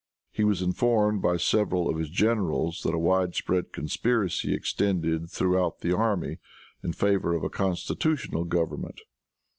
He was informed by several of his generals that a wide spread conspiracy extended throughout the army in favor of a constitutional government.